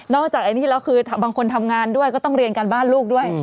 จากอันนี้แล้วคือบางคนทำงานด้วยก็ต้องเรียนการบ้านลูกด้วย